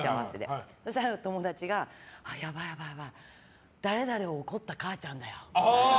そうしたら、友達がやばい、やばい誰々を怒った母ちゃんだよって。